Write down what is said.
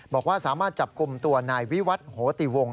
บอกว่าสามารถจับกลุ่มตัวนายวิวัตรโหติวงศ